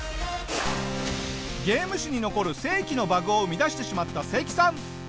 ゲーム史に残る世紀のバグを生み出してしまったセキさん。